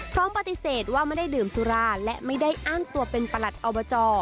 พร้อมปฏิเสธว่าไม่ได้ดื่มสุราและไม่ได้อ้างตัวเป็นประหลัดอบจ